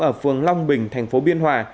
ở phường long bình thành phố biên hòa